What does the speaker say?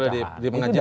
tidak boleh di pengajian